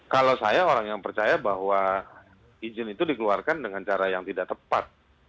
kalau saya orang yang percaya bahwa izin itu dikeluarkan dengan cara yang tidak tepat